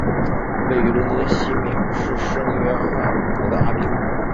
位于伦敦西敏市圣约翰伍德的阿比路。